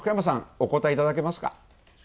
お答えいただけますか？